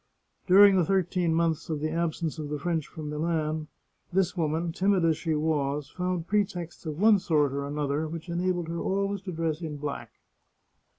During the thirteen months of the absence of the French from Milan, this woman, timid as she was, found pretexts of one sort or another which enabled her always to dress in black.